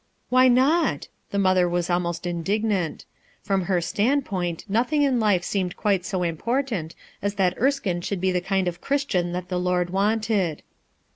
"Why not?" The mother was almost in dignant. From her standpoint nothing in life seemed quite so important as that Erskine should be the kind of Christian that the Lord wanted.